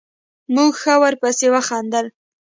موږ ښه ورپسې وخندل.